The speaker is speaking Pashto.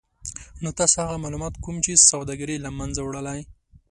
نو تاسې هغه مالومات کوم چې سوداګري له منځه وړلای